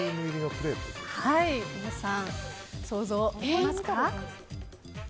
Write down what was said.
皆さん想像できますか？